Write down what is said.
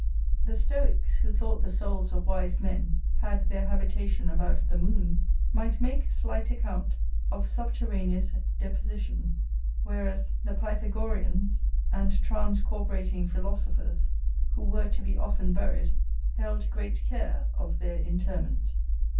The Stoicks, who thought the souls of wise men had their habitation about the moon, might make slight account of subterraneous deposition; whereas the Pythagoreans and transcorporating philosophers, who were to be often buried, held great care of their interment.